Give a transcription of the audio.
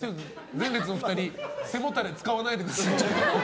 前列の２人背もたれ、使わないでください。